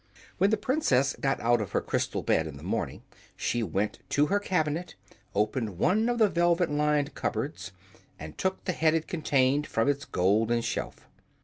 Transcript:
When the Princess got out of her crystal bed in the morning she went to her cabinet, opened one of the velvet lined cupboards, and took the head it contained from its golden shelf.